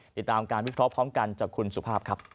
ติดตามการวิเคราะห์พร้อมกันจากคุณสุภาพครับ